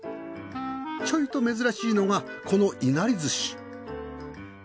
ちょいと珍しいのがこのいなりずし。